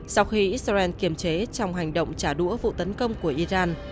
sau khi israel kiềm chế trong hành động trả đũa vụ tấn công của iran